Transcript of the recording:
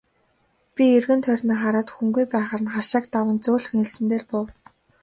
Би эргэн тойрноо хараад хүнгүй байхаар нь хашааг даван зөөлхөн элсэн дээр буув.